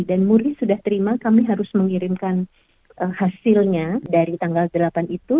dan muri sudah terima kami harus mengirimkan hasilnya dari tanggal delapan itu